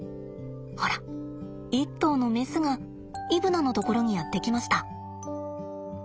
ほら一頭のメスがイブナのところにやって来ました。